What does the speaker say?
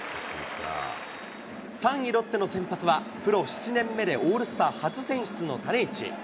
３位ロッテの先発は、プロ７年目でオールスター初選出の種市。